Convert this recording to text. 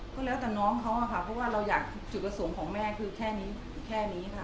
ก็แล้วแต่น้องเขาอะค่ะเพราะว่าเราอยากจุดประสงค์ของแม่คือแค่นี้แค่นี้ค่ะ